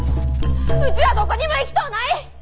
うちはどこにも行きとうない！